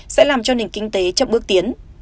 sẽ làm cho nền kinh tế chậm bước tiến